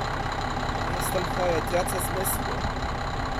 "Jestem chory, tracę zmysły!"